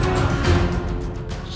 yaitu tombah tulung agung